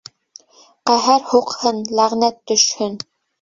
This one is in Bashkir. Ҡәһәр һуҡһын, ләғнәт төшһөн